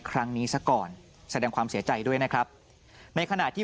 ครั้งนี้ซะก่อนแสดงความเสียใจด้วยนะครับในขณะที่